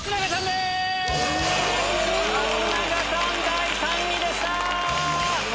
第３位でした！